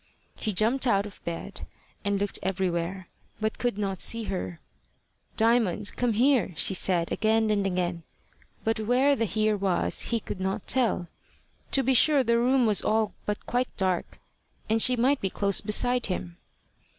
He jumped out of bed, and looked everywhere, but could not see her. "Diamond, come here," she said again and again; but where the here was he could not tell. To be sure the room was all but quite dark, and she might be close beside him.